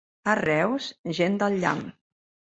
A Reus, gent del llamp.